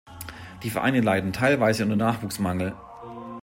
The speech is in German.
Die Vereine leiden teilweise unter Nachwuchsmangel.